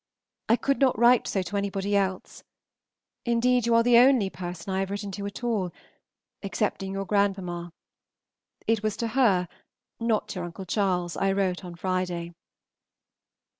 I could not write so to anybody else; indeed you are the only person I have written to at all, excepting your grandmamma, it was to her, not your Uncle Charles, I wrote on Friday.